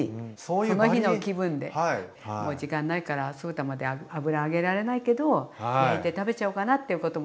もう時間ないから酢豚まで油揚げられないけど焼いて食べちゃおうかなっていうことも。